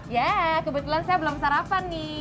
ya kebetulan saya belum sarapan nih